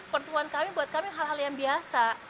pertemuan kami buat kami hal hal yang biasa